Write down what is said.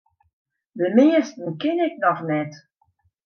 De measten ken ik noch net.